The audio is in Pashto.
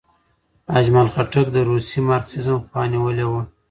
اجمل خټک د روسي مارکسیزم خوا نیولې وه.